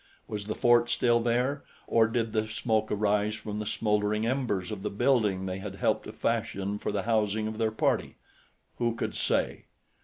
Was the fort still there, or did the smoke arise from the smoldering embers of the building they had helped to fashion for the housing of their party? Who could say!